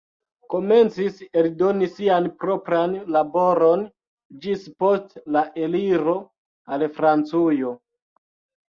Komencis eldoni sian propran laboron ĝis post la eliro al Francujo.